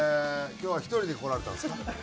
今日は１人で来られたんですか？